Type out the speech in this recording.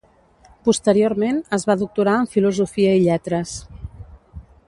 Posteriorment, es va doctorar en Filosofia i Lletres.